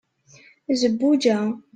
zebbuǧa